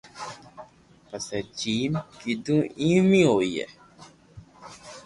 پسي جيم ڪيئو ايم اي ھوئي